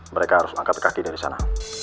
mereka harus angkat kaki dari sana